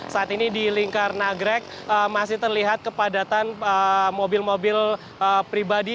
saat ini di lingkar nagrek masih terlihat kepadatan mobil mobil pribadi